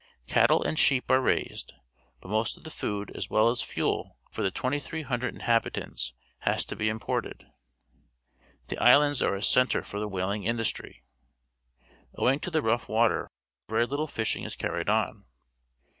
Cattle and sheep are raised, but most of the food as well as fuel for the 2,300 inhabitants has to be imported. The islands are a centre for the whaling industry. Owing to the rough water very little fishing is carried on.